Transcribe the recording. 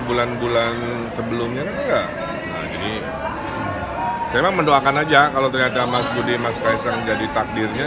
bulan bulan sebelumnya kan enggak jadi saya mendoakan aja kalau ternyata mas budi mas kaisang jadi takdirnya